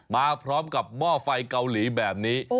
มาพร้อมกับหม้อไฟเกาหลีแบบนี้